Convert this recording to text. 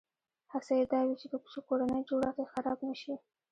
هڅه یې دا وي چې کورنی جوړښت یې خراب نه شي.